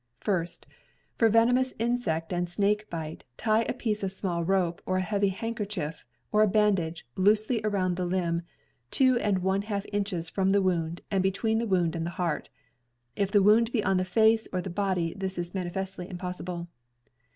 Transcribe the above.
FIRST — For venomous insect and snake bite, tie a piece of small rope, a heavy handkerchief, or a bandage, loosely around the limb two and one half inches from the wound and between the wound and the heart. (If the wound be on the face or the body, this is manifestly impossible.)